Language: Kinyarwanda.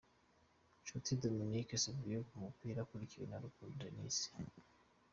Nshuti Dominique Savio ku mupira akurikiwe na Rukundo Denis.